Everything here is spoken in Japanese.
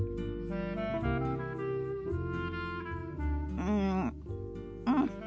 うんうん。